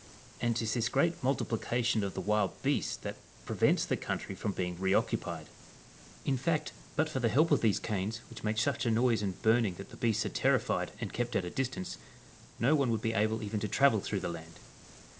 And 'tis this great multiplication of the wild beasts that prevents the country from being reoccupicd. In fact but for the help of these canes, which make such a noise in burning that the beasts are terrified and kept at a distance, no one would be able even to travel through the land.